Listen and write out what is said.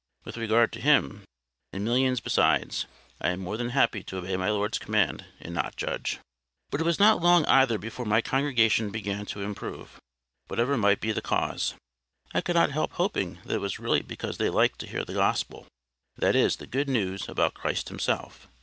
With regard to him, and millions besides, I am more than happy to obey my Lord's command, and not judge. But it was not long either before my congregations began to improve, whatever might be the cause. I could not help hoping that it was really because they liked to hear the Gospel, that is, the good news about Christ himself.